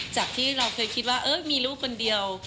จากที่เราเคยคิดว่ามีลูกคนเดียว